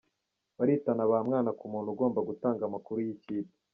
Baritana bamwana ku muntu ugomba gutanga amakuru y’ikipe ….